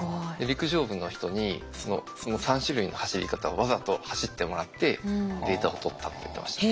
陸上部の人にその３種類の走り方をわざと走ってもらってデータを取ったって言ってました。